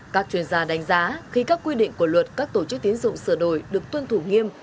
các chuyên gia đánh giá khi các quy định của luật các tổ chức tiến dụng sửa đổi được tuân thủ nghiêm